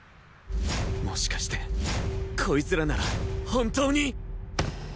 もしかしてこいつらなら本当に